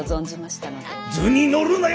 図に乗るなよ